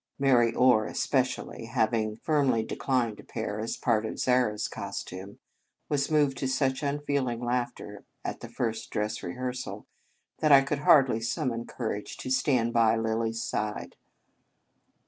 Mary Orr, espe cially, having firmly declined a pair as part of Zara s costume, was moved to such unfeeling laughter at the first dress rehearsal that I could hardly summon courage to stand by Lilly s side.